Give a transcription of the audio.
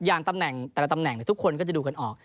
อย่างตำแหน่งแต่ละตำแหน่งทุกคนก็จะดูกันออก